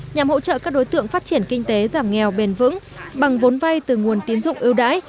nhằm hỗ trợ các đối tượng phát triển kinh tế giảm nghèo bền vững bằng vốn vay từ nguồn tiến dụng ưu đãi